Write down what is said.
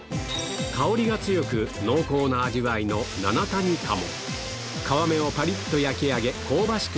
香りが強く濃厚な味わいの皮目をパリっと焼き上げ香ばしく